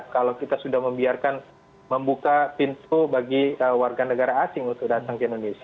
kalau kita sudah membiarkan membuka pintu bagi warga negara asing untuk datang ke indonesia